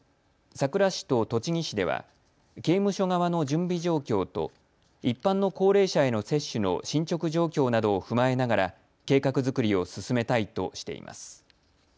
さくら市と栃木市では刑務所側の準備状況と一般の高齢者への接種の進捗状況などを踏まえながら計画作りを進めたいとしています。